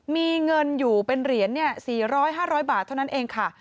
มีเงินอยู่เป็นเหรียญ๔๐๐๕๐๐บาทเท่านั้นเองค่ะ